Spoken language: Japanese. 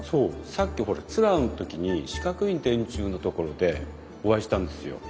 さっきツアーの時に四角い電柱の所でお会いしたんですよ。